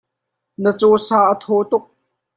na cawsa a thaw tuk.